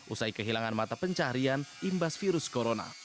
usai kehilangan mata pencarian imbas virus corona